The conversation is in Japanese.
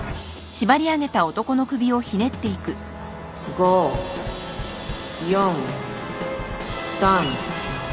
５４３２。